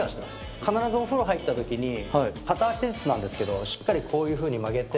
必ずお風呂入ったときに片足ずつなんですけど、しっかりこういうふうに曲げて。